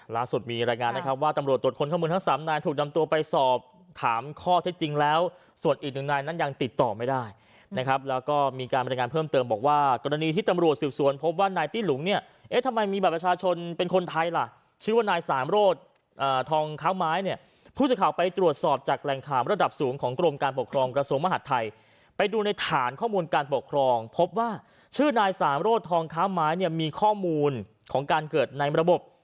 ล่าสุดมีรายงานนะครับว่าตำรวจตรวจคนข้อมูลทั้งสามนายถูกนำตัวไปสอบถามข้อที่จริงแล้วส่วนอีกหนึ่งนายนั้นยังติดต่อไม่ได้นะครับแล้วก็มีการบรรยายงานเพิ่มเติมบอกว่ากรณีที่ตำรวจสื่อสวนพบว่านายตี้หลุงเนี่ยเอ๊ะทำไมมีบัตรประชาชนเป็นคนไทยล่ะชื่อว่านายสามโรศธองค้าวไม้เนี่ยผู้จะข่าวไปต